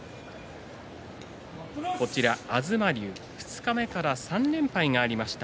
東龍、二日目から３連敗がありました。